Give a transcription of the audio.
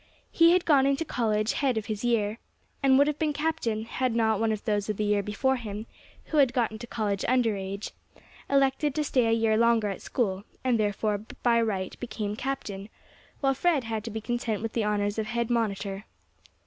He had gone into college head of his year, and would have been Captain, had not one of those of the year before him, who had got into College under age, elected to stay a year longer at school, and therefore by right became Captain, while Fred had to be content with the honours of head monitor.